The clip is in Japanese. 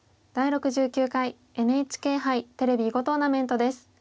「第６９回ＮＨＫ杯テレビ囲碁トーナメント」です。